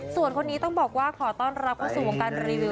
ส่วนคนนี้ต้องบอกว่าขอต้อนรับเข้าสู่วงการรีวิว